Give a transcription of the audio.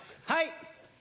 はい。